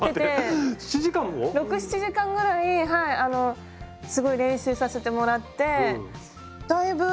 ６７時間ぐらいはいあのすごい練習させてもらってだいぶはい。